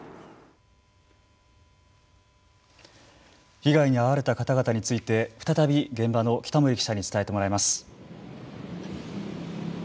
被害に遭われた方々について再び、現場の北森記者に伝えてもらいます。